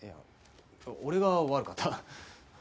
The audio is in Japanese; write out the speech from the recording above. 俺が悪かった。